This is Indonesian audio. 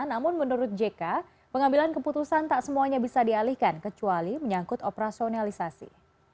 namun menurut jk pengambilan keputusan tak semuanya bisa dialihkan kecuali menyangkut operasionalisasi